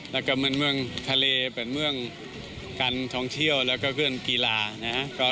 แล้วก็เหมือนเมืองทะเลเป็นเมืองการท่องเที่ยวแล้วก็เพื่อนกีฬานะครับ